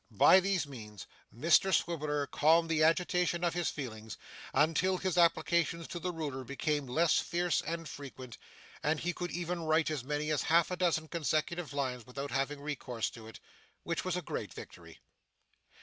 By these means Mr Swiveller calmed the agitation of his feelings, until his applications to the ruler became less fierce and frequent, and he could even write as many as half a dozen consecutive lines without having recourse to it which was a great victory.